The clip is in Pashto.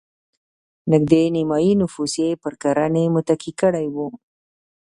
نږدې نیمايي نفوس یې پر کرنې متکي کړی و.